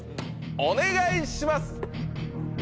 お願いします！